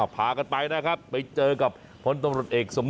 พากันไปนะครับไปเจอกับพลตำรวจเอกสม